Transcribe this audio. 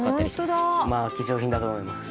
まあ貴重品だと思います。